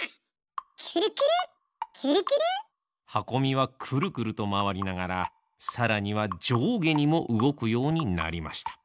くるくるくるくる。はこみはくるくるとまわりながらさらにはじょうげにもうごくようになりました。